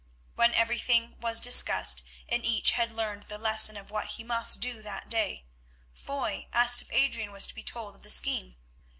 When everything was discussed, and each had learned the lesson of what he must do that day, Foy asked if Adrian was to be told of the scheme.